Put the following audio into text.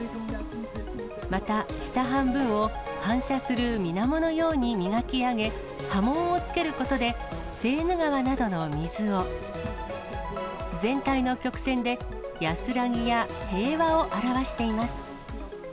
また、下半分を、反射するみなものように磨き上げ、波紋をつけることで、セーヌ川などの水を、全体の曲線で、安らぎや平和を表しています。